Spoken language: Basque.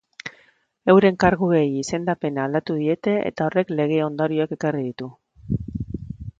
Euren karguei izendapena aldatu diete eta horrek lege ondorioak ekarri ditu.